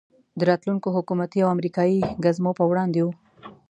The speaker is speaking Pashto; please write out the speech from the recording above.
د راتلونکو حکومتي او امریکایي ګزمو په وړاندې وو.